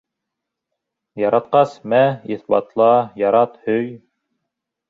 — Яратҡас, мә иҫбатла, ярат, һөй.